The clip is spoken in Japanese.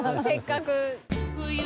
せっかく。